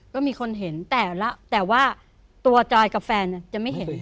ก็มีคนเห็นแต่ละแต่ว่าตัวจอยกับแฟนจะไม่เห็น